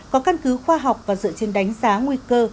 có căn cứ khoa học và dựa trên đánh giá nguy cơ